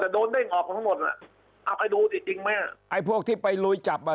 แต่โดนเด้งออกทั้งหมดอ่ะเอาไปดูสิจริงไหมไอ้พวกที่ไปลุยจับอ่ะ